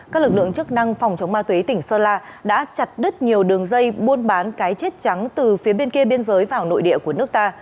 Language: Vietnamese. các lực lượng chức năng phòng chống ma túy tỉnh sơn la đã chặt đứt nhiều đường dây buôn bán cái chết trắng từ phía bên kia biên giới vào nội địa của nước ta